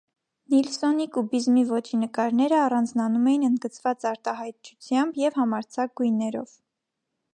Նիլսսոնի կուբիզմի ոճի նկարները առանձնանում էին ընդգծված արտահայտչությամբ և համարձակ գույներով։